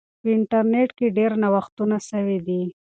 په انټرنیټ کې ډیر نوښتونه سوي دي.